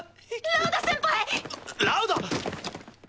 ラウダ！